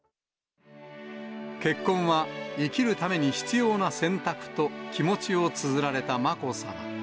結婚は生きるために必要な選択と、気持ちをつづられたまこさま。